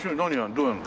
どうやるの？